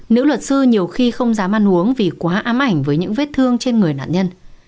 nếu luật sư nhiều khi không dám ăn uống vì quá ám ảnh với những vết thương trên người nạn nhân